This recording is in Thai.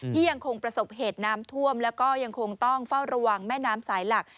ยังคงประสบเหตุน้ำท่วมแล้วก็ยังคงต้องเฝ้าระวังแม่น้ำสายหลัก